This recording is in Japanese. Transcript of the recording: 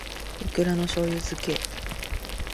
いくらの醬油漬け